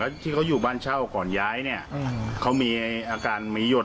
แล้วที่เขาอยู่บ้านเช่าก่อนย้ายเนี่ยเขามีอาการมีหยด